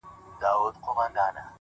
زما گلاب زما سپرليه- ستا خبر نه راځي-